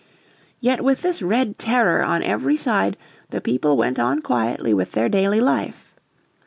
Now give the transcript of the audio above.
Yet with this red terror on every side the people went on quietly with their daily life.